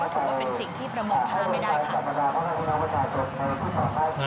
ถือว่าเป็นสิ่งที่ประมองภาพไม่ได้ค่ะ